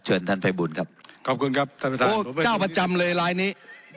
เชิญท่านภัยบุญครับขอบคุณครับท่านประธานเจ้าประจำเลยลายนี้